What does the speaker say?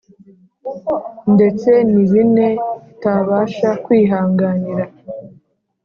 ndetse ni bine itabasha kwihanganira: